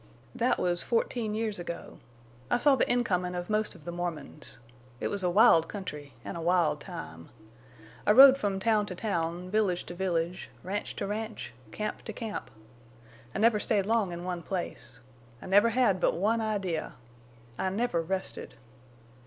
"That was fourteen years ago. I saw the incomin' of most of the Mormons. It was a wild country an' a wild time. I rode from town to town, village to village, ranch to ranch, camp to camp. I never stayed long in one place. I never had but one idea. I never rested.